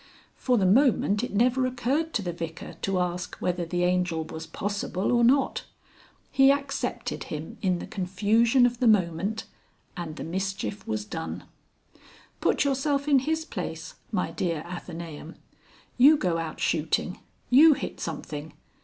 For the moment it never occurred to the Vicar to ask whether the Angel was possible or not. He accepted him in the confusion of the moment, and the mischief was done. Put yourself in his place, my dear Athenæum. You go out shooting. You hit something.